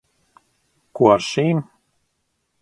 Ko ar šīm?